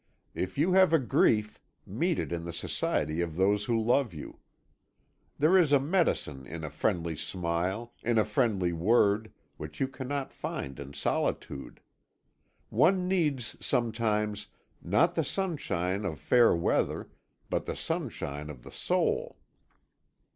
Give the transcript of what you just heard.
If you have a grief, meet it in the society of those who love you. There is a medicine in a friendly smile, in a friendly word, which you cannot find in solitude. One needs sometimes, not the sunshine of fair weather, but the sunshine of the soul.